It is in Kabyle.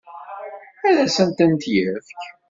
Ad asent-tent-yefk?